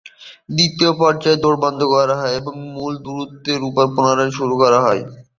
দ্বিতীয় পর্যায়ে দৌড় বন্ধ করা হয় এবং মূল দূরত্বের উপর পুনরায় শুরু করা হয়।